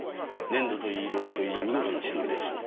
粘度といい色合いといい見事な血糊ですよ。